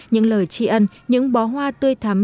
những lời tri ân những bó hoa tươi thắm